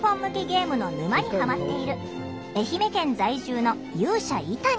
ゲームの沼にハマっている愛媛県在住の勇者イタニ。